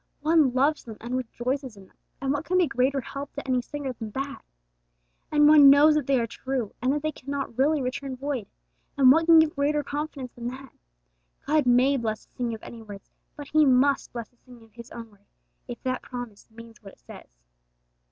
One loves them and rejoices in them, and what can be greater help to any singer than that? And one knows they are true, and that they cannot really return void, and what can give greater confidence than that? God may bless the singing of any words, but He must bless the singing of His own Word, if that promise means what it says!